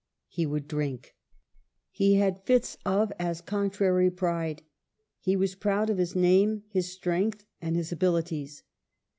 He would drink. He had fits of as contrary pride. " He was proud of his name, his strength, and his abili ties."